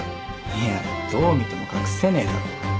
いやどう見ても隠せねえだろ。